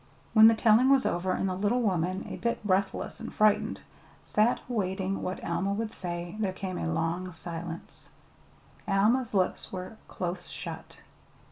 When the telling was over, and the little woman, a bit breathless and frightened, sat awaiting what Alma would say, there came a long silence. Alma's lips were close shut.